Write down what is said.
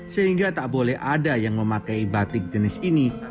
sehingga tak boleh ada yang memakai batik jenisnya